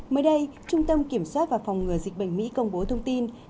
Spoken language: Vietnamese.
mới đây trung tâm kiểm soát và phòng ngừa dịch bệnh mỹ công bố thông tin